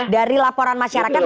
dari laporan masyarakat